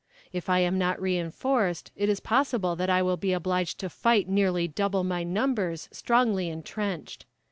If I am not reinforced it is probable that I will be obliged to fight nearly double my numbers strongly entrenched."